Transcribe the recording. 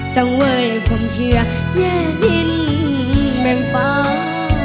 ในความเชื่อแย่ดินแม่งปัน